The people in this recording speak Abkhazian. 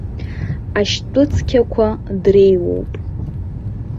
Ашьтәыцқьақәа дреиуоуп.